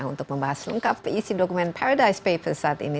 untuk membahas lengkap isi dokumen paradise papers saat ini